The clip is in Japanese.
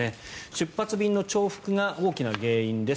出発便の重複が大きな原因です。